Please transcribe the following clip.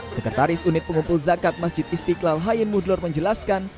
sekretaris unit pengumpul zakat masjid istiqlal hayein mudlor menjelaskan